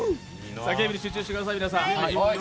ゲームに集中してください、皆さん。